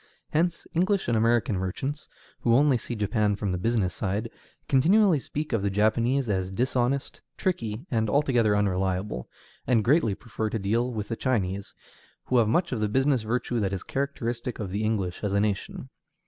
Hence English and American merchants, who only see Japan from the business side, continually speak of the Japanese as dishonest, tricky, and altogether unreliable, and greatly prefer to deal with the Chinese, who have much of the business virtue that is characteristic of the English as a nation.